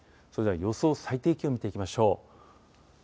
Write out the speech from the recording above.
それでは予想最低気温見ていきましょう。